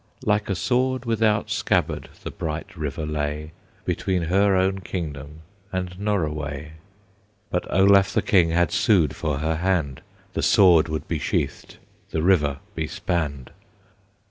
Like a sword without scabbard the bright river lay Between her own kingdom and Norroway. But Olaf the King had sued for her hand, The sword would be sheathed, the river be spanned.